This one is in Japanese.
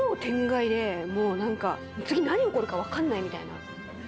次何起こるか分かんないみたいな。